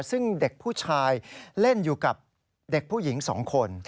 ซึ่งเด็กผู้ชายเล่นอยู่กับเด็กผู้หญิง๒คน